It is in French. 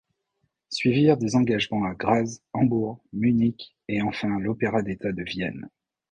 Suivirent des engagements à Graz, Hambourg, Munich et enfin à l'Opéra d'État de Vienne.